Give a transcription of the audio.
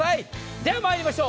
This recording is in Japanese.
じゃあ、まいりましょう。